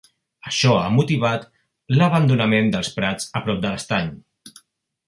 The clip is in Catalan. Això ha motivat l'abandonament dels prats a prop de l'estany.